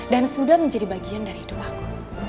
dan sudah menjadi bagian dari hidup aku